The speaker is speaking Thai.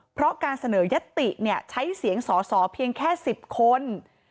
เพราะการเสนอยัตติใช้เสียงสอสอเพียงแค่๑๐คน